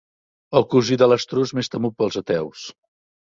El cosí de l'estruç més temut pels ateus.